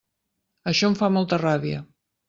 Això em fa molta ràbia.